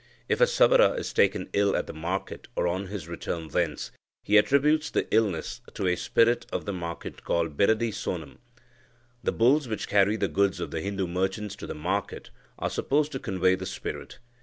If a Savara is taken ill at the market or on his return thence, he attributes the illness to a spirit of the market called Biradi Sonum. The bulls which carry the goods of the Hindu merchants to the market are supposed to convey the spirit.